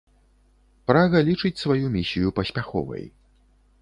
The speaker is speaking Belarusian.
Прага лічыць сваю місію паспяховай.